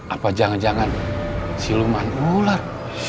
apa jangan jangan siluman ular